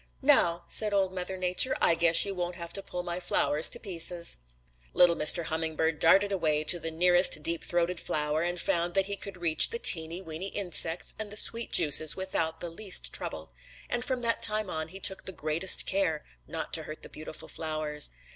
"'Now,' said Old Mother Nature, 'I guess you won't have to pull my flowers to pieces.' "Little Mr. Hummingbird darted away to the nearest deep throated flower and found that he could reach the teeny, weeny insects and the sweet juices without the least trouble, and from that time on he took the greatest care not to hurt the beautiful flowers.